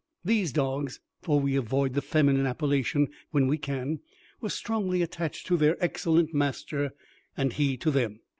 These dogs (for we avoid the feminine appellation when we can) were strongly attached to their excellent master, and he to them.